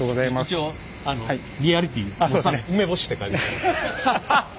一応リアリティー持って梅干しって書いてみた。